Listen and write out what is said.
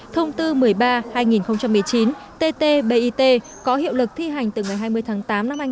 thông tư một mươi ba hai nghìn một mươi chín tt bit có hiệu lực thi hành từ ngày hai mươi tháng tám năm hai nghìn hai mươi